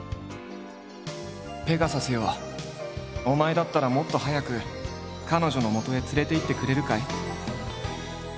「ペガサスよお前だったらもっと早くカノジョの元へ連れていってくれるかい？」。